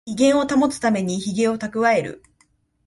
威厳を保つためにヒゲをたくわえる